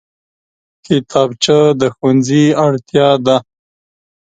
کتابچه د ښوونځي اړتیا ده